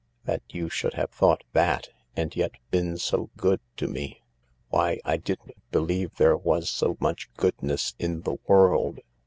That you should have thought that, and yet been so good to me ! Why, I didn't believe there was so much goodness in the world.